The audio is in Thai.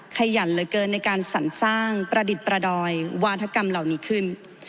ขยันเหลือเกินในการสรรสร้างประดิษฐ์ประดอยวาธกรรมเหล่านี้ขึ้น